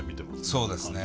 そうですね。